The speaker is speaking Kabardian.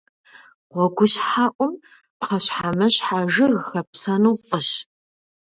Гъуэгущхьэӏум пхъэщхьэмыщхьэ жыг хэпсэну фӏыщ.